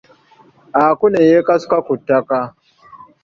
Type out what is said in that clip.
Aku ne yekasuka ku ttaka.